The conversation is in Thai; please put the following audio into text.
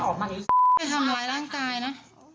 ค่ะทำลายร่างกายนะ